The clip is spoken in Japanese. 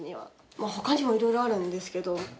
まあ他にもいろいろあるんですけど。